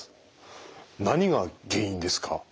何が原因ですか？